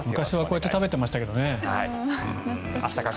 昔はこうやって食べてましたけどね